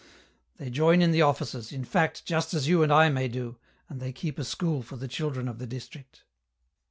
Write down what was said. They join in the offices, in fact, just as you and I may do, and they keep a school for the children of the district."